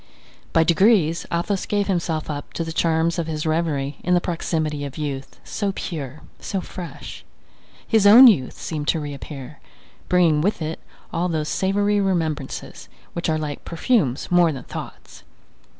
By degrees Athos gave himself up to the charms of his reverie in the proximity of youth, so pure, so fresh. His own youth seemed to reappear, bringing with it all those savoury remembrances, which are like perfumes more than thoughts.